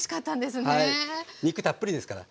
肉たっぷりですから。